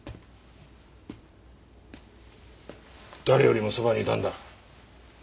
誰よりもそばにいたんだ。